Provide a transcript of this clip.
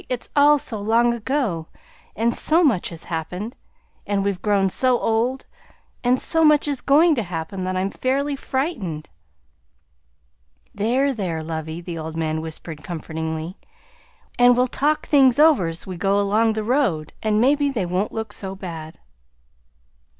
It's all so long ago, and so much has happened, and we've grown so old, and so much is going to happen that I'm fairly frightened." "There, there, lovey," the old man whispered comfortingly, "we'll be all alone on the stage, and we'll talk things over 's we go along the road an' mebbe they won't look so bad."